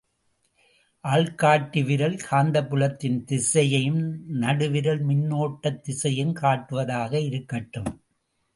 ஆள்காட்டி விரல் காந்தப்புலத்தின் திசையையும் நடுவிரல் மின்னோட்டத்திசையையும் காட்டுவதாக இருக்கட்டும்.